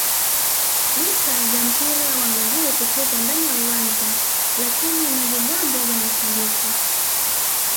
licha ya mpira wa miguu kuchezwa ndani ya uwanja lakini majigambo ya mashabiki